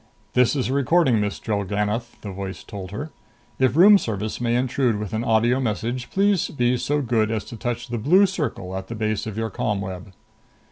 "This is a recording, Miss Drellgannoth," the voice told her. "If Room Service may intrude with an audio message, please be so good as to touch the blue circle at the base of your ComWeb."